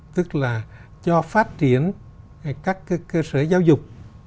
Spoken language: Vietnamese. tức là cho phát triển các cơ sở giáo dục